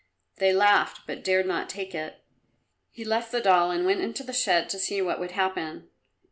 They laughed, but dared not take it. He left the doll and went into the shed to see what would happen.